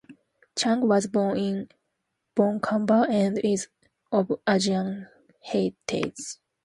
Chung was born in Vancouver and is of Asian heritage.